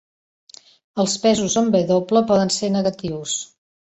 Els pesos en W poden ser negatius.